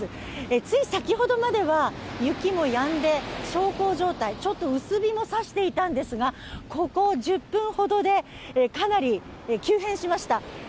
つい先ほどまでは雪もやんで、小康状態、薄日も差していたんですがここ１０分ほどでかなり急変しました。